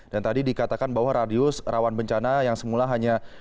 dan tadi dikatakan bahwa radius rawan bencana yang semula hanya